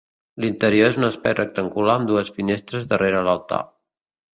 L'interior és un espai rectangular amb dues finestres darrere l'altar.